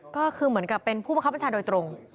ก็คือเหมือนกับเป็นผู้บังคับประชาโดยตรง